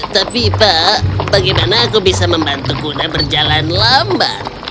tapi pak bagaimana aku bisa membantu kuda berjalan lambat